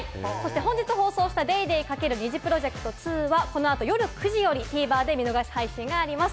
本日放送した『ＤａｙＤａｙ．×ＮｉｚｉＰｒｏｊｅｃｔ２』は、このあと夜９時よりＴＶｅｒで見逃し配信があります。